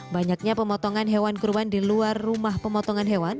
banyaknya pemotongan hewan kurban di luar rumah pemotongan hewan